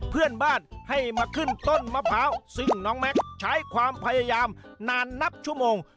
เพื่อนบ้านให้มาขึ้นต้นมะพร้าวซึ่งน้องแม็กซ์ใช้ความพยายามนานนับชั่วโมง